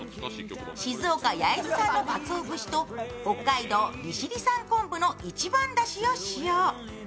静岡焼津産のかつお節と北海道利尻産昆布の一番だしを使用。